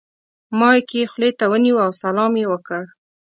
مایک یې خولې ته ونیو او سلام یې وکړ.